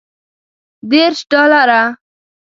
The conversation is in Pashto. دېرش ډالره.